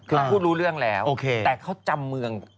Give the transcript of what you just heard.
คือพูดรู้เรื่องแล้วแต่เขาจำเมือง